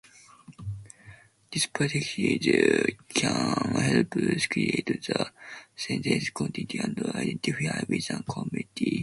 This practice can help create a sense of continuity and identity within a community.